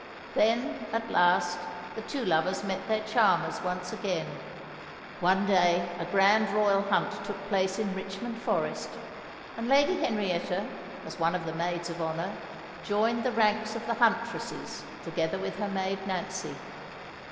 Then, at last, the two lovers met their charmers once again. One day a grand royal hunt took place in Richmond forest, and Lady Henrietta, as one of the Maids of Honour, joined the ranks of the huntresses, together with her maid, Nancy.